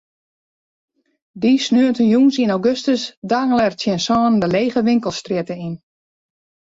Dy sneontejûns yn augustus dangele er tsjin sânen de lege winkelstrjitte yn.